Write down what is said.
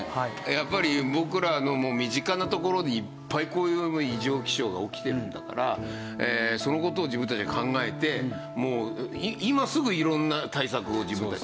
やっぱり僕らの身近なところにいっぱいこういう異常気象が起きてるんだからその事を自分たちは考えて今すぐ色んな対策を自分たちでね。